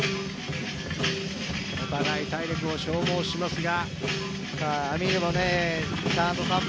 お互い体力を消耗しますが。